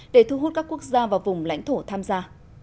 để thu hút các quốc gia vào vùng lãnh thổ tham gia